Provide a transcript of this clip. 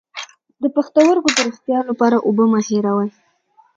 د پښتورګو د روغتیا لپاره اوبه مه هیروئ